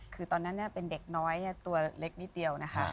คือตอนนั้นเป็นเด็กน้อยตัวเล็กนิดเดียวนะคะ